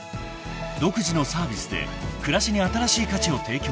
［独自のサービスで暮らしに新しい価値を提供する］